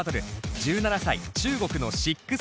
１７歳中国の６７１。